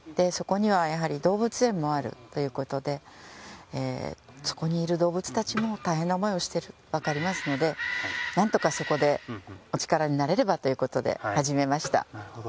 そこには動物園もあるということでそこにいる動物たちも大変な思いをしていると思いますので何とかそこでお力になれればということで始めました。